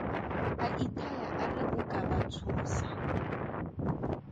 A ithaya a re o ka ba tshosa.